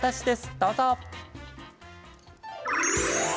どうぞ。